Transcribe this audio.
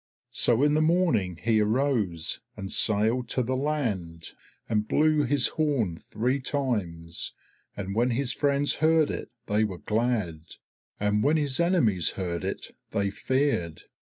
So in the morning he arose, and sailed to the land, and blew his horn three times, and when his friends heard it they were glad, and when his enemies heard it they feared.